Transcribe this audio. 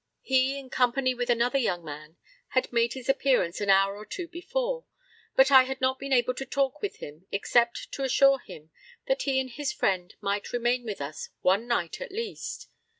He, in company with another young man, had made his appearance an hour or two before, but I had not been able to talk with him, except to assure him that he and his friend might remain with us one night, at least.